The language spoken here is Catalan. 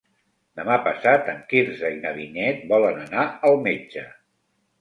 Demà passat en Quirze i na Vinyet volen anar al metge.